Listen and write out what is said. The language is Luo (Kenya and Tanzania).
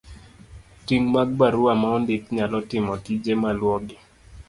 Ting ' mag barua maondik nyalo timo tije maluwogi.